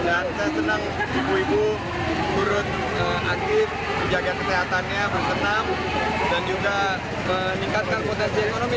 dan saya senang ibu ibu turut aktif menjaga kesehatannya bersenam dan juga meningkatkan potensi ekonomi